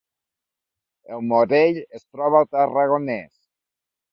El Morell es troba al Tarragonès